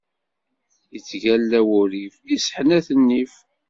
Ittgalla wurif, isseḥnat nnif.